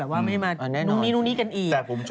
มีแรงนี้กันอีกแต่ผมชอบพูดสื่อข่าว